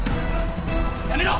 やめろ！